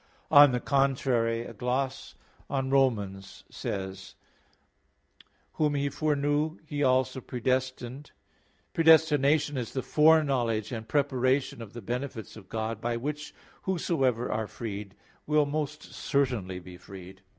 On the contrary, A gloss on Rom. 8:29: "Whom He foreknew, He also predestinated", says: "Predestination is the foreknowledge and preparation of the benefits of God, by which whosoever are freed will most certainly be freed."